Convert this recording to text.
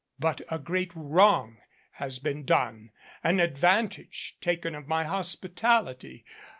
But a great wrong has been done, an advantage taken of my hospitality.